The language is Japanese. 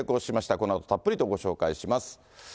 このあとたっぷりとご紹介します。